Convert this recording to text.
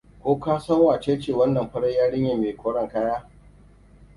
Ko ka san wace ce wannan farar yarinyar me koren kaya?